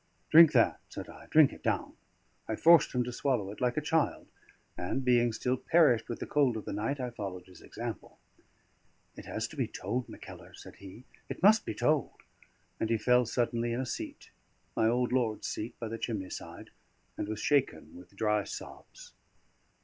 "Drink that," said I, "drink it down." I forced him to swallow it like a child; and, being still perished with the cold of the night, I followed his example. "It has to be told, Mackellar," said he. "It must be told." And he fell suddenly in a seat my old lord's seat by the chimney side and was shaken with dry sobs.